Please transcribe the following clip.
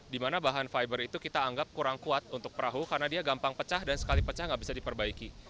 dimana bahan fiber itu kita anggap kurang kuat untuk perahu karena dia gampang pecah dan sekali pecah nggak bisa diperbaiki